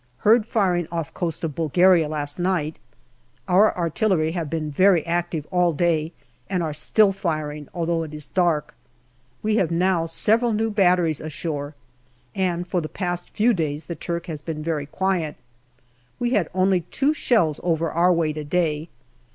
Heard firing off coast of Bulgaria last night. Our artillery have been very active all day, and are still firing, although it is dark. We have now several new batteries ashore, and for the past few days the Turk has been very quiet. We had only two shells over our way to day.